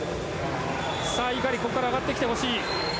井狩、ここから上がってきてほしい。